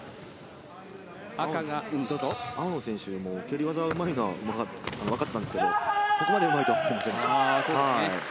青の選手も蹴り技がうまいのは分かったんですが、ここまでうまいとは思ってませんでした。